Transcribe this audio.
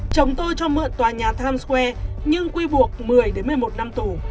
chồng tôi cho mượn tòa nhà times square nhưng quy buộc một mươi một mươi một năm tù